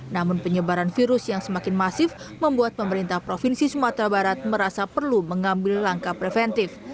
namun penyebaran virus yang semakin masif membuat pemerintah provinsi sumatera barat merasa perlu mengambil langkah preventif